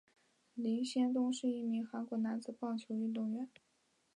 林仙东是一名韩国男子棒球运动员。